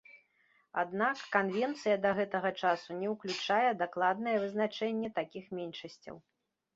Аднак, канвенцыя да гэтага часу не ўключае дакладнае вызначэнне такіх меншасцяў.